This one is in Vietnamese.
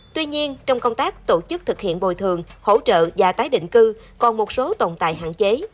tuy nhiên trong công tác tổ chức thực hiện bồi thường hỗ trợ và tái định cư còn một số tồn tại hạn chế